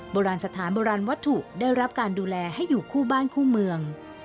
โบราณสถานโบราณวัตถุได้รับการดูแลให้อยู่คู่บ้านคู่เมือง